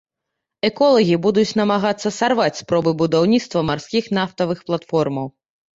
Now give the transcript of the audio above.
Эколагі будуць намагацца сарваць спробы будаўніцтва марскіх нафтавых платформаў.